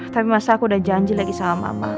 tapi mas al udah janji lagi sama mama